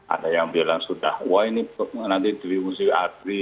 ada yang bilang sudah wah ini nanti diungsi abdi